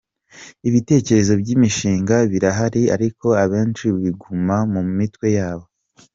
Ibitekerezo by’imishinga birahari ariko abenshi biguma mu mitwe yabo.